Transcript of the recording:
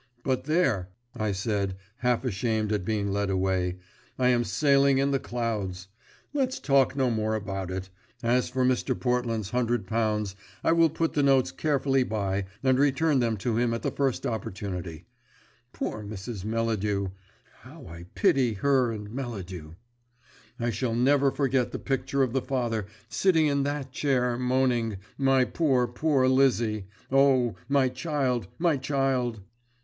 But there," I said, half ashamed at being led away, "I am sailing in the clouds. Let's talk no more about it. As for Mr. Portland's hundred pounds I will put the notes carefully by, and return them to him at the first opportunity. Poor Mrs. Melladew! How I pity her and Melladew! I shall never forget the picture of the father sitting in that chair, moaning, 'My poor, poor Lizzie! O, my child, my child!'